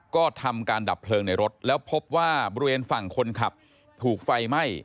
ก็ทำการดับเพลิงในรถแล้วพบว่าบริเวณฝั่งคนขับถูกไฟไหม้